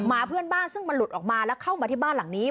หมาเพื่อนบ้านซึ่งมันหลุดออกมาแล้วเข้ามาที่บ้านหลังนี้